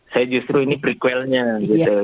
saya justru ini prequelnya gitu